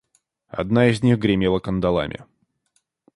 Одна из них гремела кандалами.